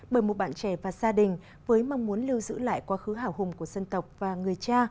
bởi một bạn trẻ và gia đình với mong muốn lưu giữ lại quá khứ hảo hùng của dân tộc và người cha